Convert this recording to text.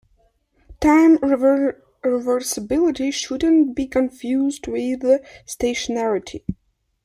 Time-reversibility should not be confused with stationarity.